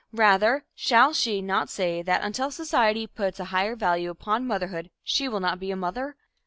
Rather, shall she not say that until society puts a higher value upon motherhood she will not be a mother?